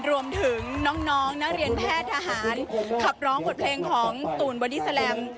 รวมถึงน้องนักเรียนแพทย์ทหารขับร้องบทเพลงของตูนบอดี้แลม